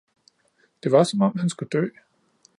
Det var, som om han skulle dø